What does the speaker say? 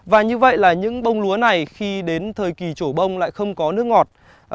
và như vậy là những bông lúa này khi đến thời kỳ trổ bông lại không có nước ngọt